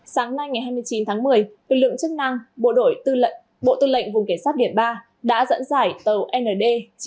sáng nay ngày hai mươi chín tháng một mươi lực lượng chức năng bộ tư lệnh vùng kiểm soát điện ba đã dẫn dải tàu nd chín mươi năm nghìn ba trăm sáu mươi tám